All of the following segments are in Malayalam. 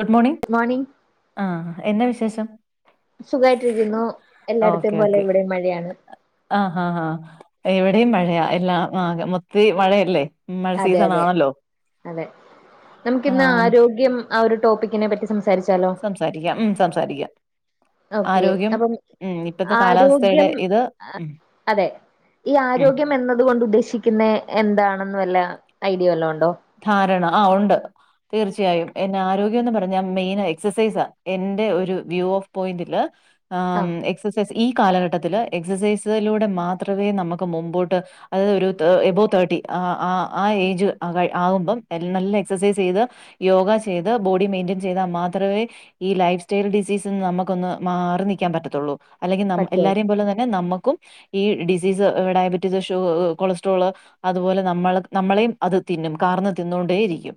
ഗുഡ് മോണിങ് ഗുഡ് മോണിംഗ് ആഹ് എന്താ വിശേഷം സുഖമായിട്ടിരിക്കുന്നു എല്ലായിടത്തേ പോലെ ഇവിടെയും മഴയാണ് ആഹ് ആഹ് ആഹ് എവിടെയും മഴയാ എല്ല ആ മൊത്ത മഴയല്ലേ ഉം, മഴ അതെ സീസൺ അതെ ആണല്ലോ അതെ ആ, നമുക്കിന്ന് ആരോഗ്യം ആ ഒരു ടോപ്പിക്കിനെ പറ്റി സംസാരിച്ചാലോ സംസാരിക്കാം ഉം സംസാരിക്കാം ഓക്കെ ആരോഗ്യം അപ്പം ഉം, ഇപ്പത്തെ കാലാവസ്ഥയുടെ ആരോഗ്യം ഇത് ഉം, അതെ ഈ ഉം. ആരോഗ്യം എന്നത് കൊണ്ട് ഉദ്ദേശിക്കുന്ന എന്താണെന്ന് വല്ല ഐഡിയ വല്ല ഉണ്ടോ ധാരണ ആഹ് ഉണ്ട് തീർച്ചയായും എന്റെ ആരോഗ്യന്ന് പറഞ്ഞ മെയിൻ എക്സസൈസ് എന്റെ ഒരു വ്യൂ ഓഫ് പോയിന്റില് ആഹ് എക്സസൈസ് ഈ കാലഘട്ടത്തിൽ എക്സസൈസിലൂടെ മാത്രമേ നമുക്ക് മുമ്പോട്ട് അതായത് ഒരു എബോ തേർട്ടി ആഹ് ആഹ് ആഹ് ഏജ് ആഹ് ആകുമ്പം നല്ല എക്സസൈസ് ചെയ്ത് യോഗ ചെയ്ത് ബോഡി മെയിന്റ്റെയിൻ ചെയ്ത മാത്രമേ ഈ ലൈഫ് സ്റ്റൈൽ ഡിസീസ്ന്ന് നമുക്കൊന്ന് മാറി നിൽക്കാൻ പറ്റത്തുള്ളൂ അല്ലെങ്കിൽ ന പറ്റുള്ളൂ എല്ലാരേ പോലെ തന്നെ നമ്മുക്കും ഈ ഡിസീസ് ഡയബറ്റീസ് ഷു കൊളസ്ട്രോള് അതുപോലെ നമ്മൾ നമ്മളെയും അത് തിന്നും കാരന്ന് തിന്നോണ്ടേയിരിക്കും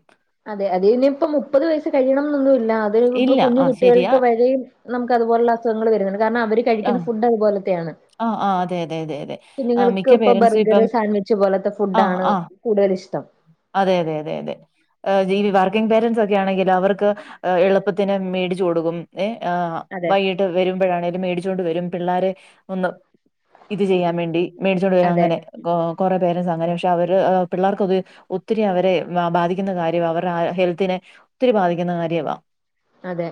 അതെ അത ഇനിയിപ്പ മുപ്പത് വയസ്സ് കഴിയണം എന്നൊന്നുമല്ല അതി ഇപ്പൊ ഇല്ല കുഞ്ഞു ആ ശരിയാ കുട്ടികൾക്ക് വരും നമുക്ക് അതുപോലുള്ള അസുഖങ്ങള് വരുന്നുണ്ട് കാരണം അവര് ആ കഴിക്കുന്ന ഫുഡ് അതുപോലത്തെയാണ് ആ ആ അതെ അതെ അതെ അതെ ആ കുഞ്ഞുങ്ങൾക്ക് മിക്ക ഇപ്പൊ പേരൻറ്സും ബർഗർ ഇപ്പം സാൻവിച്ച് പോലത്തെ ആ ഫുഡാണ് ആ കൂടുതൽ ഇഷ്ടം അതെ അതെ അതെ അതെ ഏഹ് ജീവി വർക്കിങ് പേരൻ്റ്സ് ഒക്കെ ആണെങ്കിൽ അവർക്ക് എളുപ്പത്തിന് മേടിച്ചു കൊടുക്കും ഏഹ് അതെ വൈകിട്ട് വരുമ്പോഴാണേങ്കലും മേടിച്ചൊണ്ട് വരും പിള്ളേരെ- ഒന്ന് ഇത് ചെയ്യാൻ വേണ്ടി മേടിച്ചൊണ്ട് വരാൻ അതെ അങ്ങനെ- കൊറെ പേരൻസ് അങ്ങനെ പക്ഷെ അവര് പിള്ളേർക്കൊക്കെ- ഒത്തിരി അവരെ ബാധിക്കുന്ന കാര്യവാ അവരുടെ ഹെൽത്തിനെ ഒത്തിരി ബാധിക്കുന്ന കാര്യവാ അതെ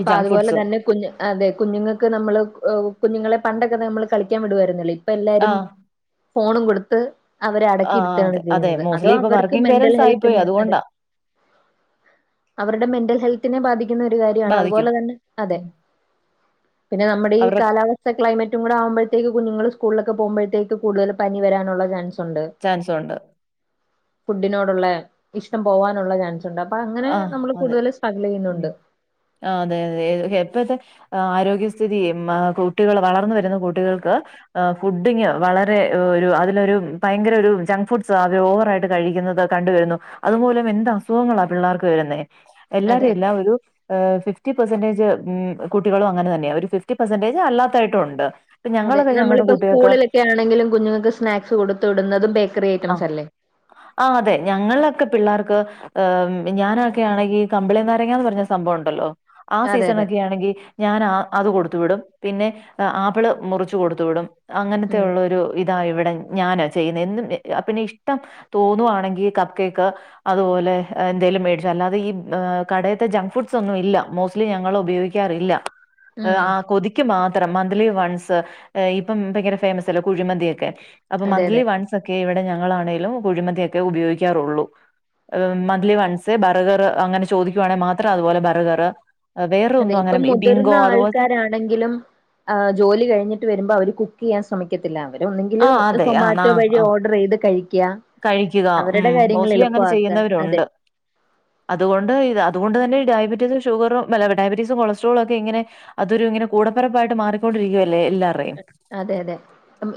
ഈ ജങ്ക് അതുപോലെ ഫുഡ്സ് തന്നെ കുഞ് - അതെ കുഞ്ഞുങ്ങൾക്ക് നമ്മള് കുഞ്ഞുങ്ങളെ പണ്ടൊക്കെ നമ്മള് കളിക്കാൻ വിടുമായിരുന്നല്ലേ ഇപ്പോ ആ എല്ലാരും- ഫോണും കൊടുത്ത്, അവരെ ആഹ് അടക്കിയിടുത്തയാണ് അതെ അതെ ചെയ്യുന്നത്, അതോ മോസ്റ്റ്ലി ഇപ്പൊ അവർക്ക് വർക്കിംഗ് മെന്റൽ പേരൻറ്സ് ആയിപ്പോയി ഹെൽത്തിന് അതെ- അതുകൊണ്ടാ അവരുടെ മെന്റൽ ഹെൽത്ത്- ബാധിക്കുന്ന ഒരു കാര്യാണ്, ബാധിക്കും അതുപോലെ തന്നെ അതെ ഉം പിന്നെ നമ്മുടെ ഈ അവരുടെ കാലാവസ്ഥ- സ ക്ലൈമറ്റും കൂടെ ആവുമ്പഴത്തേക്ക് കുഞ്ഞുങ്ങള് സ്കൂളിലക്കെ പോകുമ്പോഴത്തേക്ക് കൂടുതൽ പനി വരാനുള്ള ചാൻസ് ഒ ഒണ്ട്. ചാൻസ് ഒണ്ട് ഫുഡിനോടുള്ള ഇഷ്ടം പോവാനുള്ള ചാൻസുണ്ട് അപ്പൊ അങ്ങനെ ആഹ് നമ്മള് അതെ കൂടുതല് - സ്ട്രക്കിള് ചെയുന്നുണ്ട് ഉം ആഹ് അതെ അതെ എപ്പഴത്തെ- ആരോഗ്യസ്ഥിതി കുട്ടികൾ വളർന്നു വരുന്ന കുട്ടികൾക്ക് ആഹ് ഫുഡിങ്ങ് വളരെ ഒരു അതിലൊരു ഭയങ്കര ഒരു ജങ്ക് ഫുഡ്സ് അവര് ഓവറായിട്ട് കഴിക്കുന്നത്- കണ്ടുവരുന്നു അതുമൂലം എന്ത് അസുഖങ്ങളാ പിള്ളേർക്ക് വരുന്നത്, അതെ എല്ലാരും എല്ലാം ഒരു- ഫിഫ്റ്റി പേരസന്റേജ് കുട്ടികളും അങ്ങനെ തന്നെയാ. പെർസെന്റേജ് അല്ലാത്തായിട്ടും ഉണ്ട് ഇപ്പൊ അതെ ഞങ്ങളൊക്കെ ഞങ്ങളുടെ നമ്മളിപ്പോ കുട്ടികൾക്ക് സ്കൂളിലൊക്കെ ആണെങ്കിലും കുഞ്ഞുങ്ങൾക്ക് സ്നാക്സ് കൊടു തുവിടുന്നതും ബേക്കറി ഐറ്റംസ് അല്ലേ. ആഹ് അതെ ഞങ്ങളൊക്കെ പിള്ളേർക്ക് ഉം - ഞാനൊക്കെ ആണെങ്കിൽ കമ്പിളി നാരങ്ങന്ന് പറഞ്ഞ സംഭവയുണ്ടല്ലോ, ആ അതെ സീസൺ അതെ ഒക്കെ ആണെങ്കിൽ- ഞാന് ആ അത് കൊടുത്തു വിടും പിന്നെ ആപ്പിള് മുറിച്ചു കൊടുത്തു വിടും ഉം അങ്ങനത്തെയൊള്ളോരു - ഇതാ ഇവിടെ ഞാനാ ചെയ്യുന്നേ എന്നും പിന്നെ ഇഷ്ട്ടം - തോന്നുവാണെങ്കിൽ കപ്പ് കേക്ക് അതുപോലെ- എന്തേലും മേടിച്ചും അല്ലാതെ ഈ കടത്തെ ജങ്ക് ഫുഡ്സ് ഒന്നും ഇല്ല, മോസ്റ്റ്ലി ഞങ്ങൾ ഉപയോഗിക്കാറില്ല. ആഹ് ഉം ആ കൊതിക്ക് മാത് ത്രം മന്ത്‌ലി വൺസ് ഇപ്പൊ ഭയങ്കര ഫേമസല്ലേ കുഴിമന്തിയൊക്കെ അപ്പോ അതെ അതെ മന്ത്‌ലി വൺസ് - മുൻപൊക്കെ ഇവിടെ ഞങ്ങളാണെലും കുഴിമന്തിയൊക്കെ ഉപയോഗിക്കാറുള്ളു. Monthly once. സ് ബറ്ഗ്ഗർ അങ്ങനെ ചോദിക്കുവാണെൽ മാത്രം അതുപോലെ ബറ്ഗർ- വേറൊന്നും അങ്ങനെ ഈ ബിങ്കോ അതുപോലത്തെ- എവിടെങ്കിലും ജോലി കഴിഞ്ഞിട്ട് വരുമ്പോ അവര് കുക്ക്- ക്ക് ചെയ്യാൻ ശ്രമിക്കത്തില്ല, അവര് ഒന്നെങ്കിൽ ആ അതെ ആ ആ സൊമാറ്റോ വഴി ആ ഓർഡർ ചെയ്ത് കഴിക്കുക. കഴിക്കുക അവരുടെ ഉം കാര്യങ്ങൾ മോസ്റ്റ്ലി അങ്ങനെ എളുപ്പമാക്ക അതെ ചെയ്യുന്നവരുണ്ട് അതുകൊണ്ട് അതുകൊണ്ട് തന്നെ ഡയബറ്റീസും ഷുഗറും ഡയബറ്റീസും കൊളസ്ട്രോള ഒക്കെ ഇങ്ങനെ- അതൊരു ഇങ്ങനെ കൂടപിറപ്പായിട്ട് മാറിക്കൊണ്ടരിക്കുകയല്ലേ എല്ലാം അതെ അതെ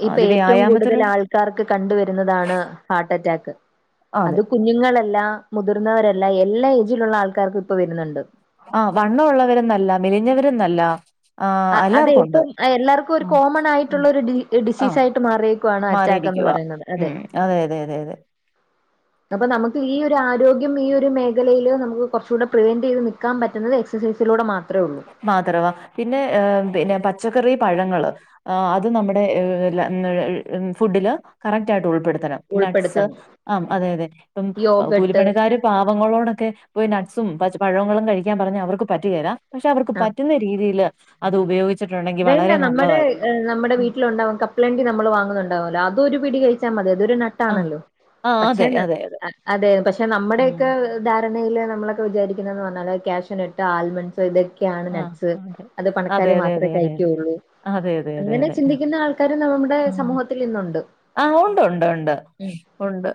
ഇപ്പോ ഏറ്റവും കൂടുതൽ വ്യായാമത്തിലൂടെ ആൾക്ക കാർക്ക് കണ്ട് വരുന്നതാണ് ഹാർട്ട് അറ്റാക്ക് ആ, അതെ അത്- കുഞ്ഞുങ്ങളല്ല മുതിർന്നവരല്ല എല്ലാ ഏജിലുള്ള ആൾക്കാർക്കും ഇപ്പോ വരുന്നുണ്ട്. ആഹ് വണ്ണമുള്ളവരല്ല, മെലിഞ്ഞവരന്നല്ല- ആഹ് അതെ ഇപ്പം എല്ലാവർക്കും ഒരു ആ കോമൺ ഉം. ആയിട്ടുള്ള ഒരു ഡി ആ ഡിസീസ് ആയിട്ട് മാറിയേക്കുവയാണ്- അറ്റാക്ക് എന്ന് മാറിയിരിക്കുവാ പറയുന്നത് ഉം അതെ. അതെ അതെ അതെ അതെ അപ്പോ നമുക്ക് ഈ ഒരു ആരോഗ്യം ഈ ഒരു മേഖലയില് നമുക്ക് കൊറച്ചൂടെ കൂടെ പ്രിവെന്റ് ചെയ്ത് നിൽക്കാൻ പറ്റുന്നത്. എക്സസൈസിലൂടെ മാത്രേള്ളൂ. മാത്രമാ പിന്നെ പിന്നെ പച്ചക്കറി പഴങ്ങള് അത് നമ്മുടെ ഫുഡില് കറക്റ്റ് ആയിട്ട് ഉൾപ്പെടുത്തണം. നട്സ്. ഉൾപ്പെടുത്തണം ആ അതെ അതെ ഇപ്പം യോഗട്ട് കൂലിപ്പണിക്കാർ പാവങ്ങളോടൊക്കെ പോയി നട്ട്സും, പഴങ്ങളും ഒക്കെ കഴിക്കാൻ പറഞ്ഞ അവർക്ക് അത് പറ്റുകേല. പക്ഷേ അവർക്ക് ആഹ് പറ്റുന്ന രീതിൽ അത് ഉപയോഗി വേണ്ട നമ്മുടെ നമ്മുടെ വീ ഉം ട്ടിലുണ്ടാവും. കപ്പലണ്ടി നമ്മൾ വാങ്ങുന്നുണ്ടാവല്ലോ അതൊരു പിടി കഴിച്ചാൽ മതി അതൊരു ന ആഹ് ട്സാണല്ലോ. ആഹ് പക്ഷേ അതെ നട്ട് അതെ അതെ പക്ഷേ ആഹ് നമ്മുടെക്കെ ധാരണയിൽ നമ്മളൊക്കെ വിചാരിക്കുന്നത്‌ന്ന് പറഞ്ഞാല് ക്യാഷുന ട്ട് ആൽമണ്ട്സ് ഇതൊക്കെയാണ് ആഹ് നട്സ്. അത് അതെ പണക്കാര് അതെ മാത്രമേ അതെ കഴി അതെ അതെ ക്കോള്ളൂ. അതെ അതെ അതെ അങ്ങനെ അതെ അതെ ചിന്തിക്കുന്ന ആൾക്കാര് നമ്മുടെ ആഹ് സമൂഹത്തിൽ ഇന്നുണ്ട്. ആഹ്. ഒണ്ട് ഒണ്ട് ഒണ്ട് ഉം. ഒണ്ട്.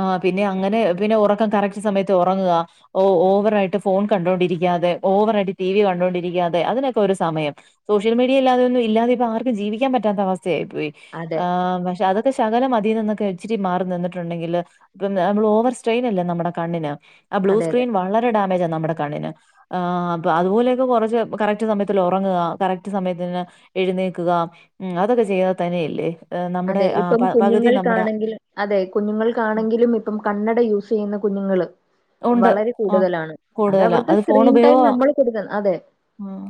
ആഹ് പിന്നെ അങ്ങനെ പിന്നെ ഒറക്കം കറക്ട് സമയത്ത് ഒറങ്ങുക. ഓ ഓവറായിട്ട് ഫോൺ കണ്ടോണ്ടിരിക്കാതെ ഓവറായിട്ട് ടി വി കണ്ടോണ്ടിരിക്കാതെ അതിനൊക്കെ ഒരു സമയം സോഷ്യൽ മീഡിയ ഇല്ലാതെയൊന്നും ഇല്ലാതെ ഇപ്പ ആർക്കും ജീവിക്കാൻ പറ്റാത്ത അവസ്ഥയായി പോയി. അതെ. ആഹ് പക്ഷെ അത് ശകലം അതിനിന്നൊക്കെ ഇച്ചിരി മാറി നിന്നിട്ടുണ്ടെങ്കില്, പിന്നെ ഓവർ സ്ട്രെയിൻ അല്ലേ നമ്മുടെ കണ്ണിന്. ആ ബ്ലൂ അതെയതെ. അതെ. സ്ക്രീൻ വളരെ ഡാമേജാ നമ്മുടെ കണ്ണിന് ആഹ്. പ്പൊ അതുപോലെയൊക്കെ കൊറച്ച് കറക്റ്റ് സമയത്തില് ഒറങ്ങുക, കറക്റ്റ് സമയത്തിന് എഴുന്നേക്കുക, ഉം അതൊക്കെ ചെയ്താ തനെയല്ലേ. അതെ ഇപ്പം കുഞ്ഞുങ്ങൾക്കാണെങ്കിലും, അതെ ഉം, കുഞ്ഞുങ്ങൾക്കാണെങ്കിലും ഇപ്പം കണ്ണട യൂസ് ചെയ്യുന്ന കുഞ്ഞുങ്ങള് ഉണ്ട് വളരെ ആഹ് കൂടുതലാണ്. കൂടുതലാ അതവർക്ക് അത് ഫോൺ സ്ക്രീൻ ടൈം ഉപയോഗ നമ്മൾ കൊടുക്കണം അതെ ഉം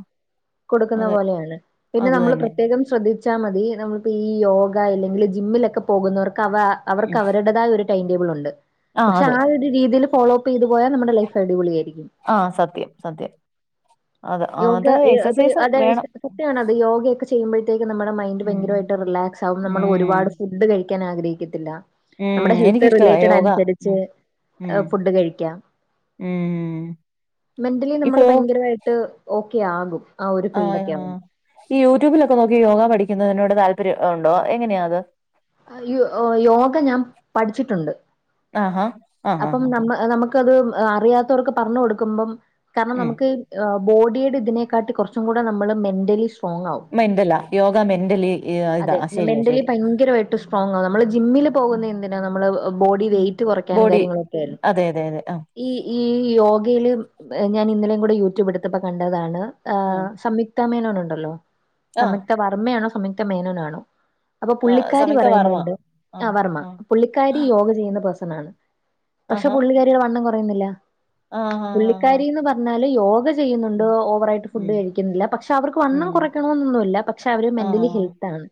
കൊടുക്കുന്ന അതെ പോലെയാണ്. പിന്നെ അത് നമ്മൾ തന്നെ പ്രത്യേകം ശ്രദ്ധിച്ചാ മതി നമ്മൾക്ക് ഈ യോ തായില്ലെങ്കില് ജിമ്മിലൊക്കെ പോകുന്നവർക്ക് അവ അവർക്ക് ഉം അവരുടേതായ ഒരു ടൈം ടേബിളോണ്ട്. പക്ഷെ ആ ഒ രീതില് ഫോളോപ്പ് ചെയ്ത് പോയാ നമ്മുടെ ലൈഫടിപൊളിയായിരിക്കും. ആഹ് സത്യം സത്യം. അത് യോഗ അത് യതെ യ എക്സസൈസ് അതെ വേണം സത്യാണത്. യോഗയൊക്കെ ചെയ്യുമ്പഴത്തേക്കും നമ്മുടെ മൈൻഡ് ഉം ഭയങ്കരവായിട്ട് റിലാക് സാവും നമ്മള് ഉം ഒരുപാട് ഫുഡ് കഴിക്കാൻ ആഗ്രഹിക്കത്തില്ല. ഉം നമ്മുടെ ഹെൽത്ത് എനിക്കിഷ്ടവാ യോഗ റിലേറ്റഡനുസരിച്ച് ഉം ഫുഡ് കഴിക്കാം. ഏ മെന്റലി നമ്മള് ഭയങ്കരവായിട്ട് ഓക്കെ ആകും. ആ ഒരു ആഹ് ഫീൽഡൊക്കെ ആകും ഈ യൂട്യൂബിലൊക്കെ നോക്കി യോഗ പഠിക്കുന്നതിനോട് താല്പര്യം ഒണ്ടോ. എങ്ങനെയാ അത് യോ യോഗ ഞാൻ പഠിച്ചിട്ടൊണ്ട്. ആഹാ ആ ആ അപ്പം ആ നമ്മ നമു ക്കത് അറിയാത്തോർക്ക് പറഞ്ഞു കൊടുക്കുമ്പം കാരണം ഉം നമുക്ക് ബോഡിയുടെ ഇതിനെക്കാട്ടി കൊറച്ചും കൂടെ നമ്മള് മെന്റലി ഷ് സ്ട്രോങ്ങാവും മെന്റലാ യോഗ മെന്റലി ഇതാ അതെ ശരിയാ മെന്റലി ശരിയാ ഭയങ്കരവാ സ്ട്രോങ്ങാവും നമ്മള് ജിമ്മില് പോകുന്ന എന്തിനാ നമ്മള് ബോഡി വെയിറ്റ് കൊറയ്ക്കാനും ബോഡി കാര്യങ്ങളൊക്കെയല്ലോ ആയിരു അതെ അതെ അതെ ആഹ് ഈ ഈ യോഗയില്, ഞാൻ ഇന്നലെ കൂടെ യൂട്യൂബ് എടുത്തപ്പോ കണ്ടതാണ് ആ, ഉം സംയുക്ത മേനോനുണ്ടല്ലോ, ആ സംയുക്ത വർമ്മയാണോ സംയുക്ത മേനോനാണോ അപ്പൊ പുള്ളി ക്കാരി പറയുന്നുണ്ട് ആഹ് വർമ്മ പുള്ളിക്കാരി യോഗ ചെയ്യുന്ന പേഴ്സനാണ് പക്ഷെ പുള്ളിക്കാ രിടെ വണ്ണം കൊറയുന്നില്ല. പുള്ളിക്കാരിന്ന്‌ പറഞ്ഞാല് യോഗ ചെ ചെയ്യുന്നുണ്ട്. ഓവറായിട്ട് ഫുഡ് കഴിക്കുന്നില്ല. പക്ഷെ അവർക്ക് വണ്ണം കുറയ്ക്കണോന്നൊന്നുല്ല പക്ഷെ അവര് മെന്റലി ഹെൽ [unintelligible]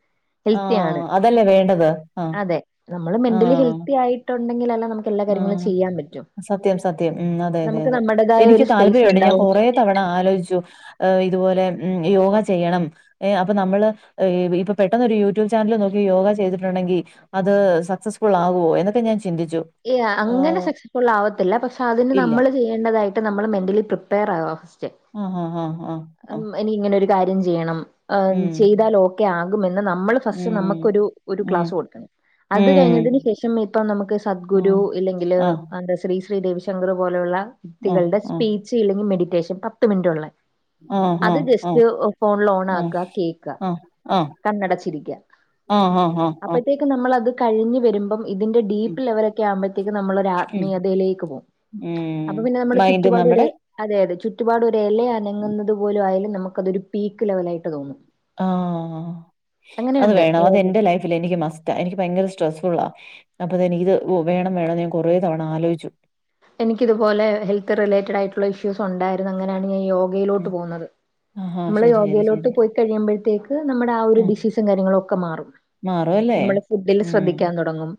ആഹ് അതല്ലേ വേണ്ടത്. ആഹ് അതെ നമ്മള് മെന്റലി ഹെൽത്തി ആയിട്ടൊണ്ടെങ്കിലല്ലെ നമു ആഹ് സത്യം സത്യം. ഉം അതെ അതെ നമുക്ക് അതെ നമ്മുടേതായ എനിക്ക് ഒരു സ്പേസ് താല്പര്യവൊണ്ട് ഞാൻ ഉണ്ടാവും. കൊറേ തവ ആലോചിച്ചു ഇതുപോലെ മ് യോഗ ചെയ്യണം. ഏ അപ്പൊ നമ്മള് ഇപ്പ പെട്ടൊന്നൊരു യൂട്യൂബ് ചാനല് നോക്കി യോഗ ചെയ്തിട്ടുണ്ടെങ്കി അത് സക്സസ്ഫുളാവോ എന്നൊക്കെ ഞാൻ ചിന്തിച്ചു അങ്ങനെ ഏഹ് സക്സസ്ഫുളാവത്തില്ല പക്ഷെ അതിന് ഇല്ല നമ്മള് ചെയ്യേണ്ടതായി ട്ട് നമ്മള് മെന്റലി പ്രിപ്പയറാവണം ഫസ്റ്റ് ആഹ് ആഹ് ആഹ് ആഹാ ഇനിക്കിങ്ങെനൊരു കാര്യം ചെയ്യണം എഹ് ഉം ചെയ്താൽ ഓക്കെ ആകുമെന്ന് നമ്മള് ഫസ്റ്റ് ഉം നമ്മുക്കൊരു ഒരു ഉം ക്ലാസുക്കൊടുക്കണം ഉം അത് കഴിഞ്ഞതിനു ശേഷം ഇപ്പോ നമ്മക്ക് സദ്ഗുരു ഉം ഇല്ലെങ്കില് ആഹ് എന്താ ശ്രീ ശ്രീ രവിശങ്കറ് പോലുള്ള ആഹ് വ്യക്തികള്ടെ സ്പീ ച്ച് ഇല്ലെങ്കി മെഡിറ്റേഷൻ പത്ത് മിനിറ്റൊള്ളേ ആഹ് ആഹ് അത് ആഹ് ജസ്റ്റ് ഫോണില് ആഹ് ഓണാക്ക കേക്കാ ആഹ് ആഹ് കണ്ണടച്ചിരിക്ക ആഹ് ആഹ് ആഹ് ആഹ് ആഹ് അപ്പത്തേക്ക് നമ്മളത് കഴിഞ്ഞ് വരുമ്പം ഇതിന്റെ ഉം ഡീപ്പ് ലെവലൊക്കെ ആക്മ്പഴത്തേക്കും നമ്മളൊരു ഉം ആത്മീയതയിലേക്ക് പോകും അപ്പൊ ഉം പിന്നെ നമ്മടെ മൈൻഡ് ചുറ്റുപാട് നമ്മടെ വരെ അതെ അതെ ചുറ്റുപാടൊരു എലെ അനങ്ങുന്നത് പോലു വായാലും നമുക്ക് അത് ഒരു പീക്ക് ലെവലായിട്ട് തോന്നും ആഹ അത് അങ്ങനെയുണ്ട് വേണം അത് യോഗ. എന്റെ ലൈഫില് എനിക്ക് മസ്റ്റാ എനിക്ക് ഭയങ്കര സ്ട്രെസ്സ് ഫുള്ളാ അപ്പതെനിക്കിത് വു വേണം വേണം ഞാൻ കൊറേ തവണ ആലോയ്ച്ചു എനിക്ക്തുപോലെ ഹെൽത്ത് റിലേറ്റഡായിട്ടുള്ള ഇഷ്യൂസൊണ്ടായിരുന്നു അങ്ങനെയാണ് ഞാൻ യോഗയിലോട്ട് ഉം പോവുന്നത് ആഹാ നമ്മള് ശരി ശരി യോഗയിലോട്ട് ശരി പോയി കഴിയുമ്പഴത്തേക്ക് നമ്മുടെ ആ ഒരു ഉം ഡിസീസും കാര്യങ്ങളു ഒക്കെ മാറും മാറുവല്ലേ നമ്മള് ഫുഡില് ഉം ശ്രദ്ധിക്കാൻ തൊടങ്ങും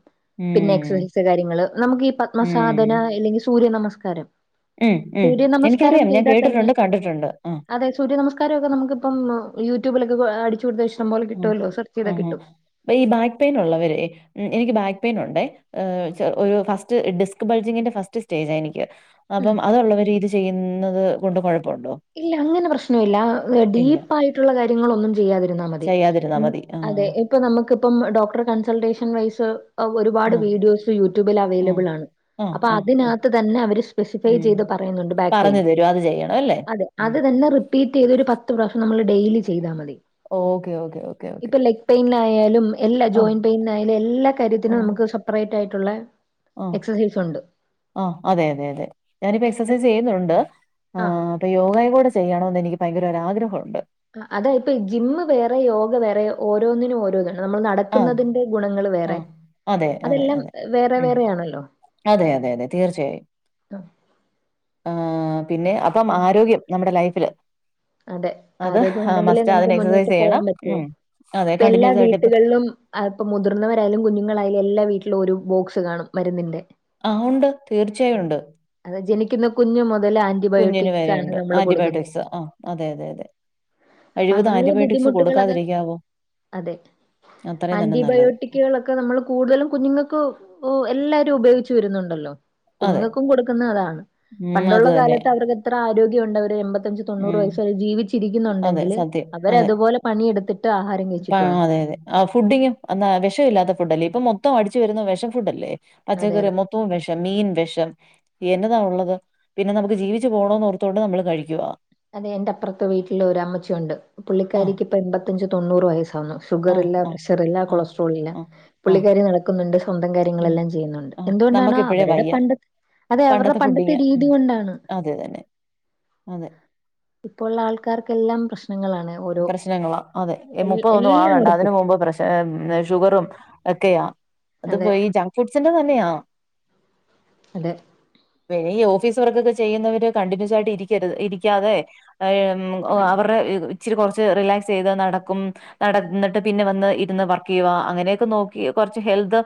പിന്നെ ഉം എക്സസൈസ് കാര്യങ്ങള് നമുക്ക് ഈ ഉം പത്മസാധന അല്ലെങ്കില് സൂര്യ നമസ്കാരം ഉം ഉം സൂര്യ നമസ്കാരം എനിക്കറിയാം ഞാൻ ചെയ്താൽ തന്നെ കേട്ടിട്ടുണ്ട് കണ്ടിട്ടുണ്ട് ഉം അതെ സൂര്യ നമസ്കാരൊവൊക്കെ നമുക്ക്പ്പം യൂട്യൂബിലൊക്കെ അടിച്ചു കൊടുത്താൽ ഇഷ്ട ഉം ഉം ഉഹ് അപ്പയീ ബാക്ക് പെയിനൊള്ളവരെ എനിക്ക് ബാക്ക് പെയിനൊണ്ടേ ഏഹേ വെച്ച ഒരു ഫസ്റ്റ് ഡിസ്ക് ബൾജിങ്ങിന്റെ ഫസ്റ്റ് സ്റ്റേജായെനിക്ക് ഉം അപ്പം അതൊള്ളവര് ഇത് ചെയ്യുന്നത് കൊണ്ട് കൊഴപ്പവൊണ്ടോ? ഇല്ല അങ്ങനെ പ്രശ്നൊവില്ല ഡീപ്പായിട്ടുള്ള കാര്യങ്ങളൊന്നും ചെയ്യാതിര് ന്നാ മതി ചെയ്യാതിരുന്നാ മതി [inaudible] അതെ ആഹ് എ ഇപ്പൊ നമ്മക്കിപ്പം ഡോക്ടറെ കൺസൾട്ടേഷൻ വൈസ് ഒരുപാട് ആഹ് വീഡിയോസ് യൂട്യൂബിൽ ആഹ് അവൈലബ്ളാണ് ആഹ് അപ്പ ആഹ് ആഹ് അതിനാത്ത് തന്നെ അവര് സ്പെസിഫൈ ചെയ്ത് പറയുന്നുണ്ട് ബാക്ക് പെയിന് [unintelligible] ചെയ്യണവല്ലെ? അതെ അത് തന്നെ റിപ്പീറ്റെയ്ത് ഒരു പത്ത് പ്രാവ്ശ്യം നമ്മള് ഡെയിലി ചെയ്താ മതി ഓക്കെ ഓക്കേ ഓക്കെ ഓക്കെ പെയിൻനായാലും എല്ലാ ആഹ് ജോയിന്റ് പെയിൻനായാലും എല്ലാ കാര്യത്തിനും ആഹ് നമുക്ക് സെപ്പറേറ്റായിട്ടൊള്ളെ ആഹ് ആഹ് അതെ അതെ അതെ ഞാനിപ്പ എക്സസൈസെയ്യുന്നുണ്ട് ആഹ് ആഹാ അപ്പ യോഗയും കൂടെ ചെയ്യണോന്ന് എനിക്ക് ഭയങ്കരൊരു ആഗ്രഹവുണ്ട് അതെ ഇപ്പ ജിമ്മ് വേറെ യോഗ വേറെ ഓരോന്നിനും ഓരോ ഇതാണ് നമ്മൾ ആഹ് നടക്കുന്നതിന്റെ ഗുണങ്ങള് വേറെ ആഹ് അതെ അതെ അതെല്ലാം അതെ വേറെ ഉം വേറെയാണല്ലോ അതെ അതെ അതെ തീർച്ചയായും ആ ആഹാ പിന്നെ അപ്പം പിൻ ആരോഗ്യം നമ്മുടെ ലൈഫില് അതെ അത് ആരോഗ്യം ഉണ്ടെങ്കിലേ മസ്റ്റ് നമുക്ക് അതിന് എക്സർസൈസ് മുന്നോട്ട് പോകാൻ ചെയ്യണം. പറ്റൂ ഉം. അതെ ഇപ്പയെല്ലാ കണ്ടിന്യൂസ് ആയിട്ട് ഇപ്പം വീട്ട്കൾലും അഹ്പ്പം മുതിർന്നവരായാലും, കുഞ്ഞുങ്ങളായാലും എല്ലാ വീട്ടിലും ഒരോ ബോക്സ് കാണും മരുന്നിന്റെ ആഹ് ഉണ്ട് തീർച്ചയായും ഉണ്ട് അതെ ജനിക്കുന്ന കുഞ്ഞു മുതൽ ആൻ കുഞ്ഞിന് വരെയുണ്ട് ആന്റിബയോട്ടിക്സ് ആ അതെ അതെ അതെ അപ്പൊ കഴിവത് അങ്ങനെയുള്ള ആന്റിബയോട്ടിക്സ് ബുദ്ധിമുട്ടുകളൊക്കെ കൊടുക്കാതെയിരിക്കാവോ? അതെ. അത്രയും തന്നെ നല്ലത് ഒക്കെ നമ്മള് കൂടുതലും കുഞ്ഞുങ്ങക്ക് ഒ എല്ലാരും ഉപയോഗിച്ച് വരുന്നുണ്ടല്ലോ അതെ. കുഞ്ഞുങ്ങക്കും കൊടുക്കുന്നെ അതാ ഉം. അത് പണ്ടുള്ള തന്നെ. കാലത്ത് അവർക്കെത്ര ആരോഗ്യവൊണ്ട് അവര് എൺപത്തഞ്ച് തൊണ്ണൂറ് ഉം. വയസ് വരെ അതെ ജീവിച്ചിരിക്കുന്നൊണ്ടെങ്കില് സത്യം. അവരെ അതെ. അതുപോലെ പണിയെടുത്തിട്ട് ആഹാരം പ കഴിച്ചിട്ടു ആണ് അതെ അതെ. ഫുഡിങ്ങും അന്നാ വിഷവില്ലാത്ത ഫുഡല്ലേ ഇപ്പൊ മൊത്തം അടിച്ചു വെരുന്ന വെഷഫുഡ്ഡല്ലേ അതെ പച്ചക്കറി അതെ മൊ ത്തോം വെഷം, മീൻ വെഷം, എന്നതാ ഒള്ളത് പിന്നെ നമുക്ക് ജീവിച്ച് പോകണോന്ന് ഓർത്തു കൊണ്ട് നമ്മള് കഴിക്കുവ. അതെ എന്റെ അപ്പുറത്തെ വീട്ടില് ഒര് അമ്മച്ചി ഒണ്ട് ആഹ് പുള്ളിക്കാരിക്ക് ഇപ്പ എൺപത്തഞ്ച് തൊണ്ണൂറ് വയസ്സാകുന്നു. ഷുഗർ ആഹ് ഇല്ല ആഹ് പ്രഷർ ഇല്ല ആഹ് കൊളസ്ട്രോൾ ഇല്ല. ആഹ് ആഹ് പുള്ളിക്കാരി നട ക്ക് ന്നുണ്ട് സ്വന്തം ഉം കാര്യങ്ങളെല്ലാം ചെയ്യുന്നുണ്ട്. ആഹ് എന്ത് കൊണ്ടാണ് നമ്മക്കിപ്പഴേ അവരുടെ വയ്യ. പണ്ട് അതെ അവരുടെ പണ്ടത്തെ രീതി കൊണ്ടാണ്. എ തന്നെ അതെ ഇപ്പോ ഒള്ള ആൾക്കാർക്ക് എല്ലാം പ്രശ്നങ്ങളാണ്. ഓരോ പ്രശ്നങ്ങളാ അതെ എൽ മുപ്പത് ഒന്നും ആകണ്ട എല്ലാവർക്കും അതിന് മുമ്പ് പ്രശ് എന്ന ഷുഗറും ഒക്കെയാ അത് അതെ ഇപ്പോ ഈ ജങ്ക് ഫുഡ്സിന്റെ തന്നെയാ അതെ പിന്നെ ഈ ഓഫീസ് വർക്കൊക്കെ ചെയ്യുന്നവര് കണ്ടിന്യൂസ് ആയിട്ട് ഇരിക്കരുത് ഇരിക്കാതെ അവറെ ഇച്ചിരി കുറച്ച് റിലാക്സ് ചെയ്ത് നടക്കും. നടന്നിട്ട് പിന്നെ വന്ന് ഇരുന്ന് വർക്ക് ചെയ്യവാ അങ്ങനെയൊക്കെ നോക്കി കുറച്ച് ഹെൽത്ത്.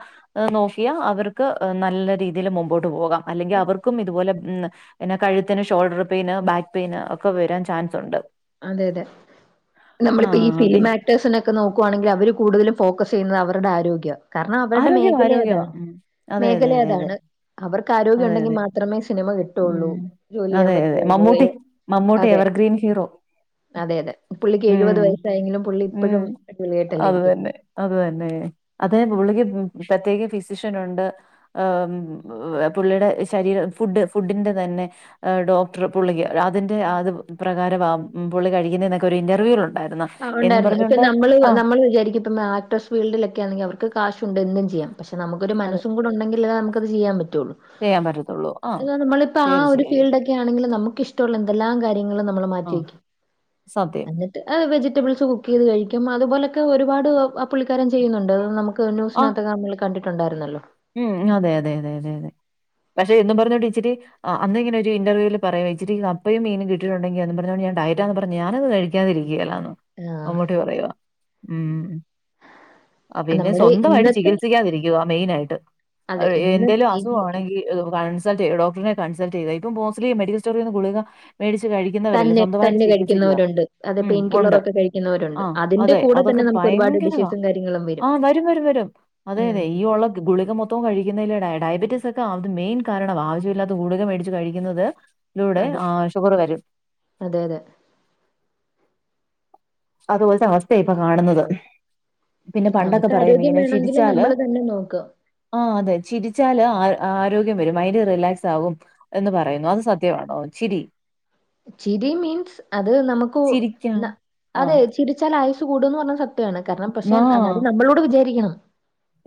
നോക്കിയാ അവർക്ക് നല്ല രീതിയിൽ മുമ്പോട്ട് പോകാം അല്ലെങ്കിൽ അവർക്കും ഇതുപോലെ മ് പിന്നെ കഴുത്തിന് ഷോൾഡർ പെയിന് ബാക്ക് പെയിന് ഒക്കെ വെരാൻ ചാൻസൊണ്ട് അതെ അതെ നമ്മളിപ്പ ഈ ഫിലിം പി- ആക്ടേഴ്സിനൊ നോക്കുവാണെങ്കിൽ അവര് കൂടുതലും ഫോക്കസ് ചെയ്യുന്നത് അവടെ ആരോഗ്യവാ. കാര്ണം അവരുടെ ആരോഗ്യം മേഖെലെ ആരോഗ്യമാ അതാണ് ഉം അതെ അതെ മേഖലെ അതെ അതെ അതാണ് അവർക്ക് അതെ ആരോഗ്യൊണ്ടെങ്കി അതെ മാത്രമേ സിനിമ കി ഉം അതെ അതെ മമ്മൂട്ടി മമ്മൂട്ടി അതെ എവർഗ്രീൻ ഹീറോ അതെ അതെ പുള്ളിക്ക് ഉം എഴുപത് വയസ്സായെങ്കിലും പുള്ളി ഉം ഇപ്പഴും അടിപോളിയായിട്ടല്ലേ അത് ഇരിക്കി തന്നെ അത് തന്നെ അതേ പുള്ളിക്ക് പ്രത്യേക ഫിസിഷ്യനൊണ്ട് ഏം ഏഹ് പുള്ളിടെ ശരീരം ഫുഡ്ഡ് ഫുഡ്ഡിന്റെ തന്നെ ആഹ് ഡോക്ട്ർ പുള്ളിക് അതിന്റെ അത് പ്രകാരവാ പുള്ളി കഴിക്കുന്നേ ന്നൊക്കെ ഒരു ഇന്റർവ്യൂലിലുണ്ടായിര്ന്ന് ആ് ഉണ്ടാര്ന്നു ഇപ്പൊ നമ്മള് നമ്മള് വിചാരിക്കും ഇപ്പ ആക്ട്രസ് ഫീൽഡിലൊക്കെ ആണെങ്കി അവർക്ക് കാശുണ്ട് എന്തും ചെയ്യാം പഷെ നമുക്കൊരു അതെ മനസ്സും കൂടൊണ്ടങ്കിലേ അത് അമുക്കത് ചിയ്യാൻ പറ്റുള്ളൂ ചെയ്യാൻ പറ്റത്തുള്ളൂ ആ എന്നാ നമ്മളിപ്പോ ആ ഒരു തീർച്ചയായും ഫീൽഡ് ഒക്കെ ക്കെയാണെങ്കിലും നമുക്ക് ഇഷ്ടമുള്ള എന്തെല്ലാം കാര്യങ്ങൾ നമ്മൾ ആ മാറ്റി വെക്കും സത്യം അ വെജിറ്റബിൾസ് കുക്ക് ചെയ്ത് കഴിക്കും അതുപോലൊക്കെ ഒരുപാട് പുള്ളിക്കാരൻ ചെയ്യുന്നുണ്ട് നമുക്ക് ആ ന്യുസിനകത്തൊക്കെ നമ്മൾ കണ്ടിട്ടുണ്ടായിരുന്നല്ലോ ഉം അതെ അതെ അതെ അതെ അതെ പക്ഷെ ഇതും പറഞ്ഞോണ്ട് ഇച്ചിരി ആഹ് അന്നിങ്ങനെ ഒരു ഇന്റർവ്യൂവിൽ പറയും ഇച്ചിരി കപ്പയും മീനും കിട്ടിട്ടുണ്ടങ്കിൽ അതും പറഞ്ഞോണ്ട് ഞാൻ ടയറ്റാ പറഞ് ഞാനത് കഴി ഴിക്കാതിരിക്കുകല്ലാന്നു ആഹ് അമ്മുട്ടി പറയുവ ഉം ഉം ആ പിന്നെ നമ്മുടെ സ്വന്തമായിട്ട് ഇന്നത്തെ ചികിത്സിക്കാതിരിക്കുവ മെയിനായിട്ട് അതെ ഇന്ന് എന്തേലും അസുഖം ഇന്ന് ആണെങ്കിൽ ഹ് കൺസൾട്ട് ഡോക്ടറെ കൺസൾട്ട് ചെയ്യുക ഇപ്പ മോസ്റ്റ്ലി മെഡിക്കൽ സ്റ്റോറി നിന്ന് കുളിക മേടിച്ച് കഴിക്കുന്നവരല്ലേ തന്നെ സ്വന്തമായിട്ട് തന്നെ ചികിത്സിക്കുക കഴിക്കുന്നവരുണ്ട്. അത് ഉം പെയിൻ ഉണ്ട് കില്ലറൊക്കെ ആ കഴിക്കുന്നവരുണ്ട്. അതിന്റെ അതെ കൂടെ തന്നെ അതൊക്കെ നമുക്ക് ഒരുപാട് ഭയങ്കരവാ ഡിസീസും കാര്യങ്ങളും ആഹ് വരും വരും വരും അതെ ഉം അതെ ഈ ഉള്ള ഗുളി ത് മൊത്തം കഴിക്കുന്നയ്ല് ഡ ഡയബറ്റീസ് ഒക്കെ അതിൽ മെയിൻ കാരണവ ആവശ്യമില്ലാത്ത ഗുളിക മേടിച്ച് കഴിക്കുന്നത് ലൂടെ അതെ ആ ഷുഗർ വരും അതെ അതെ അതുപോലത്തെ അവസ്ഥ ഇപ്പൊ കാണുന്നത് പിന്നെ പണ്ടൊക്കെ നമുക്ക് പറയും ആരോഗ്യം ഇങ്ങനെ വേണമെങ്കിൽ ചിരിച്ചാല് നമ്മൾ തന്നെ നോക്കുക. ആഹ് അതെ ചിരിച്ചാല് ആരോഗ്യം വരും മൈൻഡ് റിലാക്സ് ആകും എന്ന് പറയുന്നു അത് സത്യവാട്ടോ ചിരി ചിരി മീൻസ് അത് നമുക്കു ചിരിക്കാം ന അതെ ആഹ് ചിരിച്ചാൽ ആയുസ് കൂടുംന്ന് പറഞ്ഞഹ് സത്യണ് കാരണം പക്ഷെ അതായത് നമ്മളൂടി വിചാരിക്കണം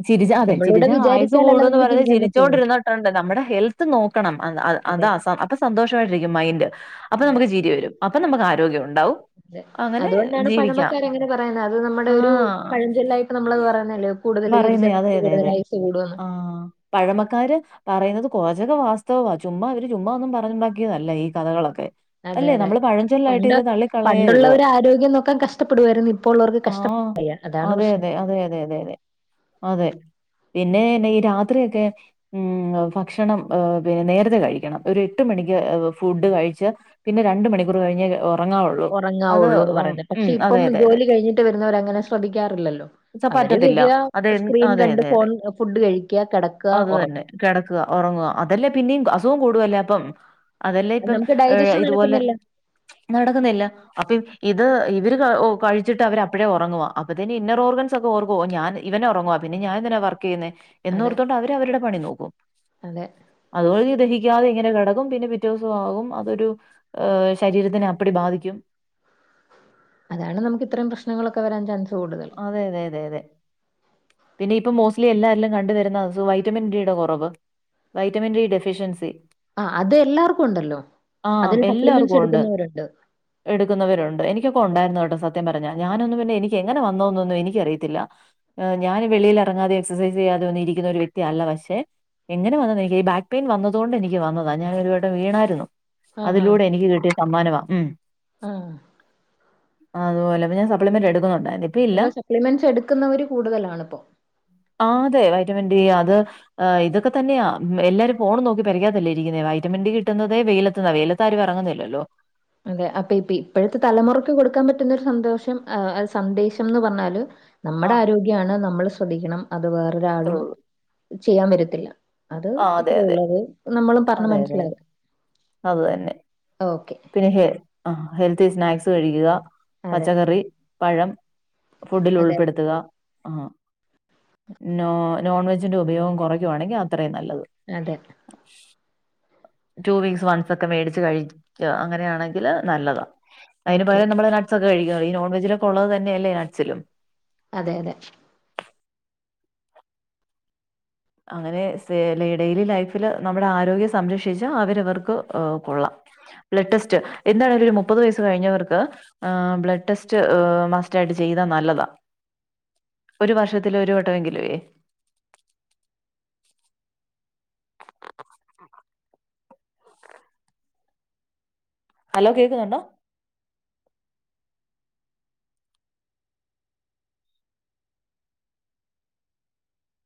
ചിരിച്ച അതെ നമ്മളൂടെ ചിരിച്ച ആയസ് വിചാരിച്ചാലല്ലേ കൂടുന്ന് നമുക്ക് പറയുന്നത് ചിരിക്കാൻ പറ്റുള്ളൂ. ചിരിച്ചൊണ്ടിരുന്നിട്ടുണ്ട് നമ്മുടെ ഹെൽത്ത് നോ ക്കണം അത് അഹ് അത അതെ സ അപ്പസ് സന്തോഷമായിട്ടിരിക്കും മൈൻഡ് അപ്പൊ അതെ നമുക്ക് ചിരി വരും അപ്പ നമുക്ക് ആരോഗ്യം ഉണ്ടാവും അതെ അങ്ങനെ അതുകൊണ്ടാണ് ജീവിക്കാം പഴമക്കാര് അങ്ങനെ പറയുന്നത് അത് നമ്മുടെ ഒരു ആഹ് പഴംചൊല്ലായിട്ട് നമ്മളത് പറയുന്നല്ലേ പറയുന്നേ അതെ അതെ അതെ ആഹ് പഴമക്കാര് പറയുന്നത് കുറച്ചൊക്കെ വാസ്തവവാ ചുമ്മാ അവര് ചുമ്മാ ഒന്നും പറഞ്ഞുണ്ടാക്കിയതല്ല ഈ കഥകളൊക്കെ അതെ അല്ലേ അതെ. നമ്മള് പഴഞ്ചൊല്ലായിട്ട് പണ്ട് ഇത് തള്ളിക്കളയരുത് പണ്ടുള്ളവര് ആരോഗ്യം നോക്കാൻ കഷ്ടപ്പെടുവായിരുന്നു. ഇപ്പോ ഉള്ളവർക്ക് കഷ്ട ആഹ് അതാണ് അതെ പ്രശ്നം. അതെ അതെ അതെ അതെ അതെ അതെ പിന്നെ ന്നെ ഈ രാത്രി ഒക്കെ ഉം ഭക്ഷണം പിന്നെ നേരത്തെ കഴിക്കണം ഒരു എട്ട് മണിക്ക് ഫുഡ് കഴിച്ച് പിന്നെ രണ്ട് മണിക്കൂർ കഴിഞ് ഉം ഉറങ്ങാവുള്ളൂ എന്ന് പറയുന്നുന്നത് പക്ഷെ ഉം, ഇപ്പം അതെ അതെ അതെ ജോലി കഴിഞ്ഞിട്ട് വരുന്നവര അങ്ങനെ ശ്രദ്ധിക്കാറില്ലല്ലോ അവര് പറ്റത്തില്ല വരിക അ സ്ക്രീൻ കണ്ട് ഫോൺ ഫുഡ് കഴിക്കാ കെടക്കാ ഒറ കെടക്കാ ഒറങ്ങുവാ അതല്ലേ പിന്നെയും അസുഖം കൂടുവല്ലേ അപ്പം. അതല്ലെ അത് ഇപ്പം നമുക്ക് ഏ ഡൈജഷൻ ഇതുപോലെ നടക്കുന്നില്ല നടക്കുന്നല്ലം അപ്പം ഇത് ഇവര് കഴിച്ചിട്ട് അവര് അപ്പഴേ ഒറങ്ങുവാ അപ്പത്തന് ഇന്നർ ഓർഗൻസ് ഒക്കെ ഓർക്കോ ഞാൻ ഇവനൊറങ്ങുവ പിന്നെ ഞാൻ എന്തിനാ വർക്ക് ചെയ്യുന്നേ അതെ എന്നോർത്തോണ്ട് അവര് അവരുടെ പണി നോക്കും. അതെ അതുവഴി ദഹിക്കാതെ ഇങ്ങനെ കിടക്കും പിന്നെ പിറ്റ ദിവസംമാകും അതൊരു. ഹ ശരീരത്തിനപ്പടി ബാധിക്കും അല്ലാണ്ട് നമ്മക്ക് ഇത്രയും പ്രശ്നങ്ങളോക്കെ വരാൻ ചാൻസ് കൂടുന്നത് അതെ അതെ അതെ അതെ പിന്നെ ഇപ്പം മോസ്റ്റ്ലി എല്ലാരിലും കണ്ട് വരുന്ന അസുഖാ വൈറ്റമിൻ ഡിയുടെ കുറവ്. വൈറ്റമിൻ ഡി ഡെഫിഷ്യൻസി ആ അത് എല്ലാർക്കും ഉണ്ടല്ലോ ആ അതിന് സപ്ലിമെന്റ്സ് എല്ലാവർക്കും ഉണ്ട് എടുക്കുന്നവരുണ്ട്. എടുക്കുന്നവരുണ്ട് എനിക്കൊക്കെ അതെ ഉണ്ടായിരുന്നു കേട്ട സത്യം പറഞ്ഞ ഞാനൊന്നും പിന്നെ എനിക്ക് എങ്ങനെ വന്നോന്നൊന്നും എനിക്കറിയത്തില്ല. ഞാന് വെളിയിലെറങ്ങാതെ എക്സൈസ് ചെയ്യാതെ ഒന്നി ഇരിക്കുന്ന ഒരു വ്യക്തിയല്ല. പക്ഷെ എങ്ങനെ വന്നത് എനിക്ക് ബാക്ക് പെയിൻ വന്നതോണ്ട് എനിക്ക് വന്നതാ ഞാനൊരു വട്ടം വീണായിരുന്നു. ആ ആ അതിലൂടെ എനിക്ക് കിട്ടിയ സമ്മാനവാ ഉ ആ അതുപോലെന്ന ഞാ സപ്ലിമെന്റ് എടുക്കുന്നുണ്ട അത സപ്ലിമെന്റ്സ് എടുക്കുന്നവര് കൂടുതലാണ്. ഇപ്പോ ആ അതെ വൈറ്റമിൻ ഡി അത്. ഇതൊക്കെ തന്നെയാ എല്ലാരും ഫോണും നോക്കി പരെക്കത്തല്ലെ ഇരിക്ക്ന്നേ വൈറ്റമിൻ ഡി കിട്ടുന്നത് വെയിലത്തുന്നാ വെയില- ത്താരും എറങ്ങുന്നില്ലല്ലോ? അതെ അപ്പൊ ഇപ്പ ഇപ്പോഴത്തെ തലമുറക്ക് കൊടുക്കാൻ പറ്റുന്നൊരു സന്തോഷം സന്ദേശം എന്ന് പറഞ്ഞാല്. നമ്മുടെ ആഹ് ആരോഗ്യാണ് നമ്മൾ ശ്രദ്ധിക്കണം. അത് അത്രേ വേറൊരാളും ഉള്ളൂ. ചെയ്യാൻ വരത്തില്ല. അത് ആഹ് അതെ അത്രയേ അതെ. ഉള്ളത് നമ്മളും പറഞ്ഞ് അതെ അതെ മനസിലാക്ക അതെ. അത് തന്നെ. ഓക്കെ. പിന്നെ ഹെ ഹെൽത്തി സ്നാക്സ് കഴിക്കുക അതെ പച്ചക്കറി, പഴം അതെ ഫുഡിലുൾപ്പെടുത്തുക. നോ നോൺ വെജിന്റെ ഉപയോഗം കുറയ്ക്കുവാണെങ്കിൽ അത്രയും നല്ലത്. അതെ ടു വീക്സ് വൺസ് ഒക്കെ മേടിച്ച് കഴിക്കു അങ്ങനെയാണെങ്കിൽ നല്ലതാണ് അതിന് ഓക്കെ പകരം നമ്മള്. നട്സൊക്കെ കയിക്ക ഈ നോൺ വെജിലൊക്ക ഉള്ളത് തന്നെയല്ലേ നട്സിലും. അതെ അതെ അങ്ങനെ ഡെയിലി ലൈഫില് നമ്മുടെ ആരോഗ്യം സംരക്ഷിച്ചാ അവരവർക്ക് കൊള്ളാം. ബ്ലഡ് ടെസ്റ്റ് എന്താണെങ്കിലും ഒരു മുപ്പത് വയസ്സ് കഴിഞ്ഞവർക്ക്. ആഹ് ബ്ലഡ് ടെസ്റ്റ് മസ്റ്റായിട്ട് ചെയ്താ നല്ലതാ ഒരു വർഷത്തിലൊരു വട്ടമെങ്കിലേ അലോ കേക്കുന്നുണ്ടോ?